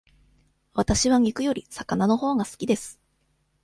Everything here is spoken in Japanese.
わたしは肉より魚のほうが好きです。